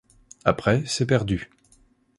Après c'est perdu.